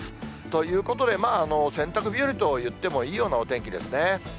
ということで、まあ、洗濯日和といってもいいようなお天気ですね。